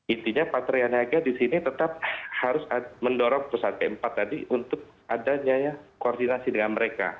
intinya patria niaga di sini tetap harus mendorong pusat p empat tadi untuk adanya koordinasi dengan mereka